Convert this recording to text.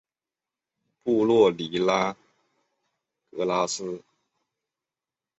布洛尼拉格拉斯。